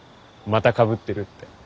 またかぶってるって。